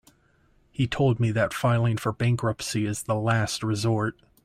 He told me that filing for bankruptcy is the last resort.